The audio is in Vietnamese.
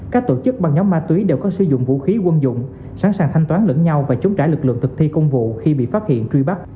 các tổ chức bằng nhóm ma túy đều có sử dụng vũ khí quân dụng sẵn sàng thanh toán lẫn nhau và chống trả lực lượng thực thi công vụ khi bị phát hiện truy bắt